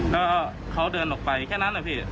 แล้วเขาเดินออกไปแค่นั้นนะพี่